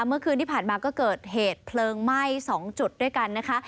เมื่อคืนที่ผ่านมาก็เกิดเหตุเพลิงไหม้๒จุดด้วยกันนะคะ